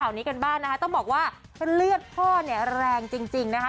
นี้กันบ้างนะคะต้องบอกว่าเลือดพ่อเนี่ยแรงจริงจริงนะคะ